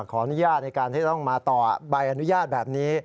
ขออนุญาตในการที่ต้องมาต่อใบอนุญาตแบบนี้